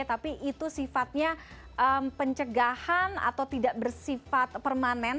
tapi itu sifatnya pencegahan atau tidak bersifat permanen